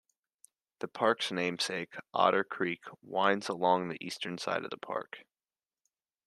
The park's namesake, Otter Creek, winds along the eastern side of the park.